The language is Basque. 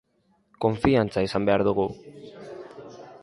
Konfiantza izan behar dugu.